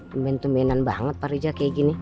temen temenan banget pak riza kayak gini